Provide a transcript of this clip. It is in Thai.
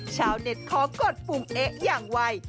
ชาวเน็ตขอกดปุ่มเอ๊ะอย่างไว